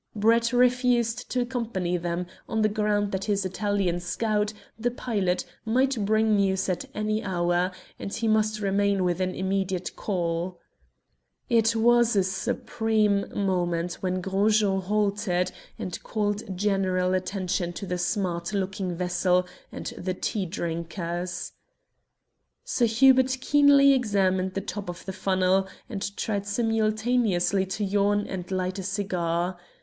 Brett refused to accompany them, on the ground that his Italian scout, the pilot, might bring news at any hour, and he must remain within immediate call. It was a supreme moment when Gros Jean halted and called general attention to the smart looking vessel and the tea drinkers. Sir Hubert keenly examined the top of the funnel, and tried simultaneously to yawn and light a cigar.